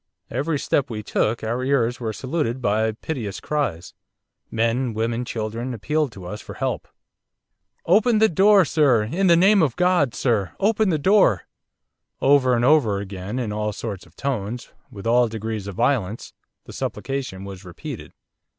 Every step we took our ears were saluted by piteous cries. Men, women, children, appealed to us for help. 'Open the door, sir!' 'In the name of God, sir, open the door!' Over and over again, in all sorts of tones, with all degrees of violence, the supplication was repeated.